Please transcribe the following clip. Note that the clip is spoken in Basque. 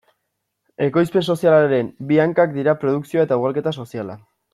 Ekoizpen sozialaren bi hankak dira produkzioa eta ugalketa soziala.